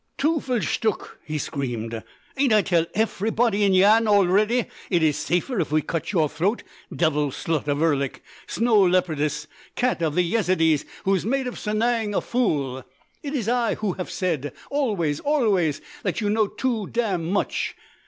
"Teufelstuck!" he screamed, "ain't I tell efferybody in Yian already it iss safer if we cut your throat! Devil slut of Erlik—snow leopardess!—cat of the Yezidees who has made of Sanang a fool!—it iss I who haf said always, always, that you know too damn much!...